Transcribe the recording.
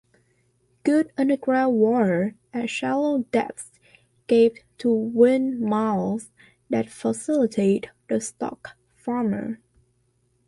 Good underground water at shallow depths gave to windmills that facilitated the stock-farmer.